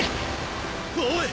おい！